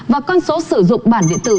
và con số sử dụng bản điện tử